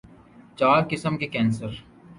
چار قسم کے کینسر